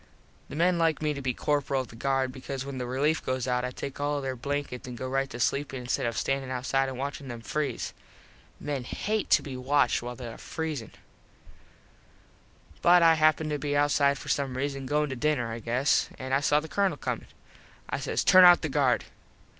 The men like me to be corperal of the guard because when the relief goes out I take all their blankets an go right to sleep instead of standin outside an watchin them freeze. Men hate to be watched while they are freezin. [Illustration: "MEN HATE TO BE WATCHED WHILE THEY ARE FREEZIN"] But I happened to be outside for some reason, goin to dinner I guess, an I saw the Colonel coming. I says "Turn out the guard."